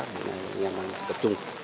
chúng tôi đã tập trung